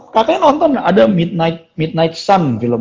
kakaknya nonton ada midnight sun film